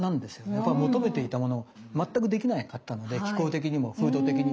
やっぱ求めていたものが全くできなかったので気候的にも風土的にも。